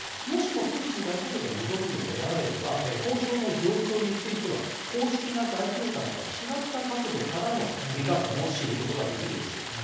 もしもプーチン大統領が望むのであれば、交渉の状況については公式な代表団とは違った角度からの見方も知ることができるでしょう。